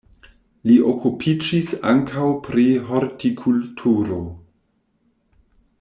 Li okupiĝis ankaŭ pri hortikulturo.